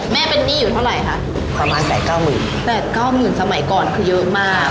เป็นหนี้อยู่เท่าไหร่คะประมาณแสนเก้าหมื่นแต่เก้าหมื่นสมัยก่อนคือเยอะมาก